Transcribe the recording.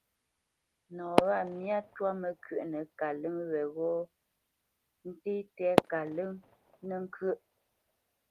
Nɔ̂ wâ myâ ntwá məkyə́ʼnə kalə́ŋ weghó nté tɛ́ kalə́ŋ nə́ ŋkyə́ʼ,